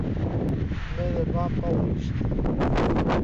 Marabá Paulista